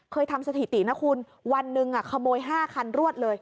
ทำสถิตินะคุณวันหนึ่งขโมย๕คันรวดเลย